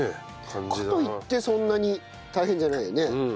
かといってそんなに大変じゃないよね。